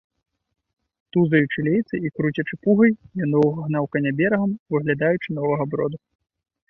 Тузаючы лейцы і круцячы пугай, ён доўга гнаў каня берагам, выглядаючы новага броду.